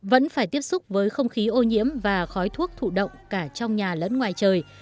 vẫn phải tiếp xúc với không khí ô nhiễm và khói thuốc thụ động cả trong nhà lẫn ngoài trời